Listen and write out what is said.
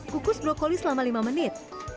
kukus brokoli selama lima menit